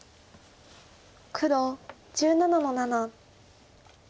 黒１７の七。